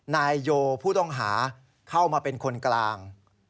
นายโยผู้ต้องหาเข้ามาเป็นคนกลาง